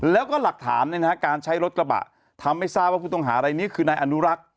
แล้วก็หลักฐานการใช้รถกระบะทำให้ทราบว่าผู้ต้องหารายนี้คือนายอนุรักษ์